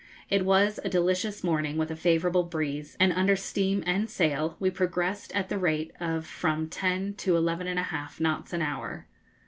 It was a delicious morning, with a favourable breeze, and under steam and sail we progressed at the rate of from 10 to 11 1/2 knots an hour.